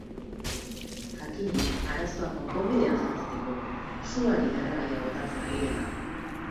Jakinik, arazoa konponbidean jartzetik urrun, suari erregaia botatzen ari dela.